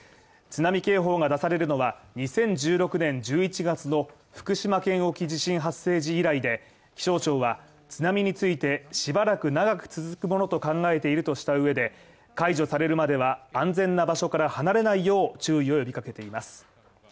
津波警報が出されるのは、２０１６年１１月の福島県沖地震発生時以来で、気象庁は津波についてしばらく長く続くものと考えているとした上で解除されるまでは、安全な場所から離れないよう注意を呼びかけています。